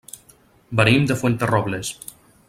Venim de Fuenterrobles.